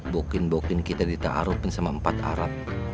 bokin bokin kita ditaarufin sama empat arab